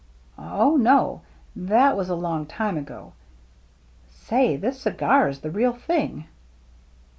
" Oh, no, — that was a long time ago. Say, this cigar is the real thing."